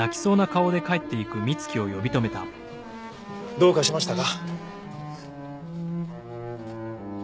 どうかしましたか？